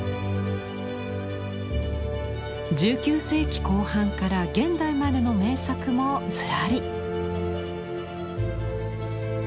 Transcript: １９世紀後半から現代までの名作もずらり。